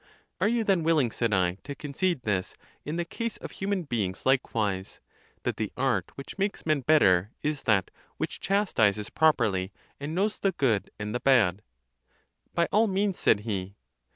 —Are you then willing, said I, to concede this, in the case of human beings likewise, that the art, which makes men better, is that, which chastises properly, and knows the good and the bad ?— By all means, said he.